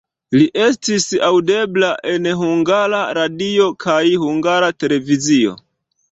Li estis aŭdebla en Hungara Radio kaj Hungara Televizio.